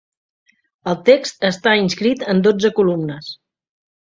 El text està inscrit en dotze columnes.